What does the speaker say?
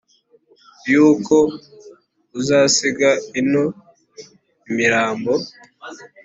y’uko uzasiga ino imirambo